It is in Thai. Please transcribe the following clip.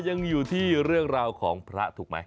ยังอยู่ที่เรื่องราวของพระถูกไหม